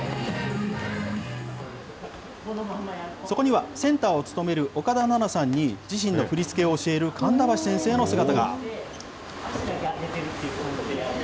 そこにはセンターを務める岡田奈々さんに、自身の振り付けを教える神田橋先生の姿が。